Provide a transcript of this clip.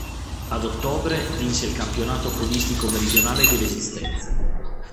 Ad ottobre vinse il Campionato Podistico Meridionale di resistenza.